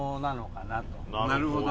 なるほど。